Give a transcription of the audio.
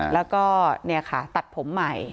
แล้วก็เนี่ยค่ะตัดผมใหม่